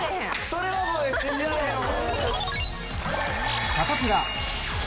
それはごめん信じられへんわ。